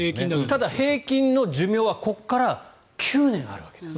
ただ、平均の寿命はここから９年あるわけです。